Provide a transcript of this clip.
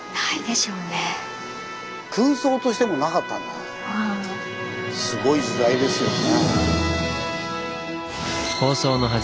すごい時代ですよね。